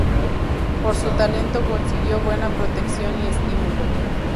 Por su talento consiguió buena protección y estímulo.